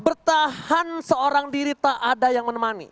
bertahan seorang diri tak ada yang menemani